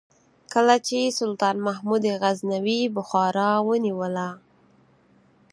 کله چې سلطان محمود غزنوي بخارا ونیوله.